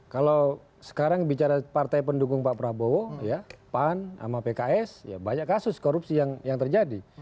kalau sekarang bicara partai pendukung pak prabowo ya pan sama pks ya banyak kasus korupsi yang terjadi